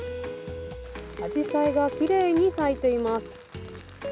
あじさいがきれいに咲いています。